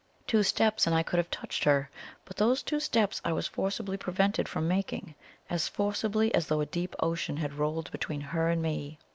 Two steps, and I could have touched her; but those two steps I was forcibly prevented from making as forcibly as though a deep ocean had rolled between her and me.